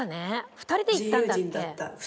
２人で行ったんだっけ？